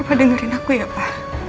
papa dengerin aku ya papa